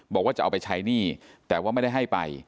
บอกว่าจะเอาไปใช้หนี้แต่ว่าไม่ได้ให้ไป